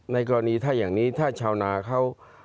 ในกรณีถ้าอย่างนี้ถ้าชาวนาเขา